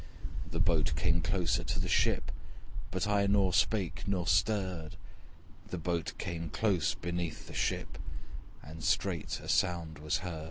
The boat came closer to the ship, But I nor spake nor stirred; The boat came close beneath the ship, And straight a sound was heard.